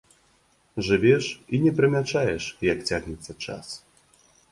Жывеш і не прымячаеш, як цягнецца час.